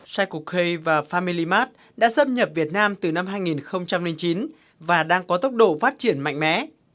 cycle k và family mart đã xâm nhập việt nam từ năm hai nghìn chín và đang có tốc độ phát triển mạnh mẽ